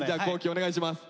お願いします。